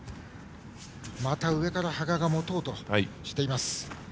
また上から羽賀が持とうとしています。